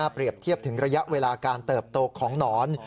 เปรียบเทียบถึงระยะเวลาการเติบโตของหนอน